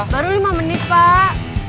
baru lima menit pak